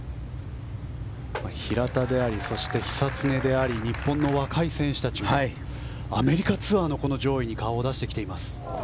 平田であり久常であり日本の若い選手たちがアメリカツアーの上位に顔を出してきています。